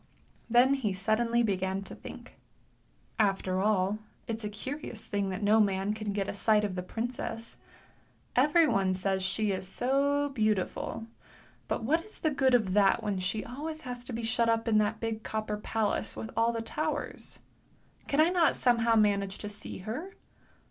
Then he suddenly began to think: After all, it's a curious thing that no man can get a sight of the princess ! Everyone says she is so beautiful ! But what is the good of that when she always has to be shut up in that big copper palace with all the THE TINDER BOX 267 towers. Can I not somehow manage to see her?